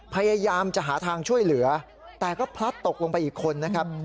พยายามจะหาทางช่วยเหลือแต่ก็พลัดตกลงไปอีกคนนะครับ